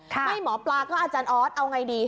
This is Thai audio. ไม่หมอปลาก็อาจารย์ออสเอาไงดี